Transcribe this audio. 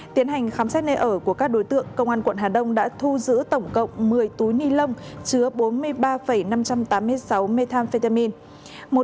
tiến hành khám xét nơi ở của các đối tượng công an quận hà đông đã thu giữ tổng cộng một mươi túi ni lông chứa bốn mươi ba năm trăm tám mươi sáu metamine